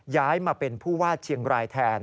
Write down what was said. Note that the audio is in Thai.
ย้ายมาเป็นผู้ว่าเชียงรายแทน